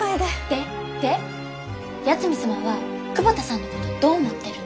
でで八海サマは久保田さんのことどう思ってるの？